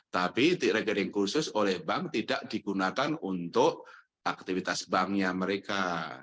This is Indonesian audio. tapi rekening khusus oleh bank tidak digunakan untuk aktivitas banknya mereka